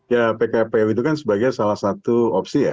ya pkpu itu kan sebagai salah satu opsi ya